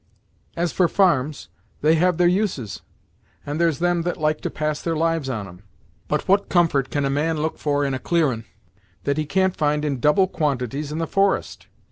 "As for farms, they have their uses, and there's them that like to pass their lives on 'em; but what comfort can a man look for in a clearin', that he can't find in double quantities in the forest?